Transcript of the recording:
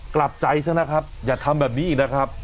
กลับใจซะนะครับอย่าทำแบบนี้อีกนะครับ